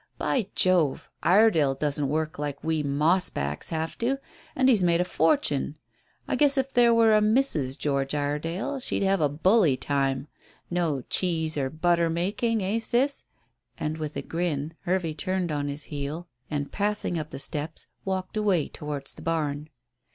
By Jove! Iredale doesn't work like we 'moss backs' have to, and he's made a fortune. I guess if there were a Mrs. George Iredale she'd have a bully time. No cheese or butter making, eh, sis?" And, with a grin, Hervey turned on his heel, and, passing up the steps, walked away towards the barn.